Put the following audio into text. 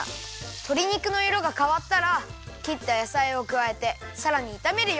とり肉のいろがかわったらきったやさいをくわえてさらにいためるよ。